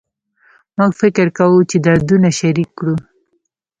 موږ فکر کوو چې دردونه شریک کړو